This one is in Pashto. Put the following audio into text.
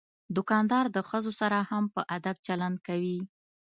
دوکاندار د ښځو سره هم په ادب چلند کوي.